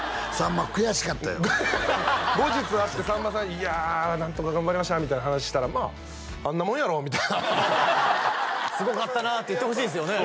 ま悔しかったよ後日会ってさんまさんに「いや何とか頑張りました」みたいな話したら「まああんなもんやろう」みたいな「すごかったな」って言ってほしいですよね